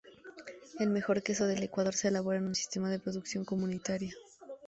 El mejor queso del Ecuador se elabora en un sistema de producción comunitaria.